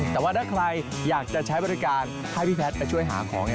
แต่ว่าถ้าใครอยากจะใช้บริการให้พี่แพทย์ไปช่วยหาของ